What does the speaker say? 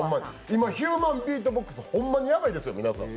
今、ヒューマンビートボックスほんまにやばいですよ、皆さん。